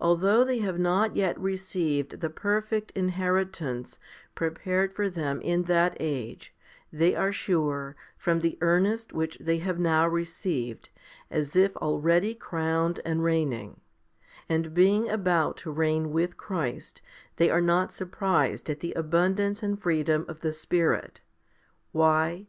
Although they have not yet received the perfect inheritance prepared for them in that age, they are sure, from the earnest which they have now received, as if already crowned and reigning ; and being about to reign with Christ, they are not surprised at the abundance and freedom of the Spirit. Why